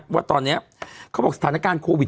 ว่าตอนนี้เขาบอกสถานการณ์โควิด